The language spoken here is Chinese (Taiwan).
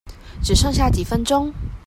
只剩下幾分鐘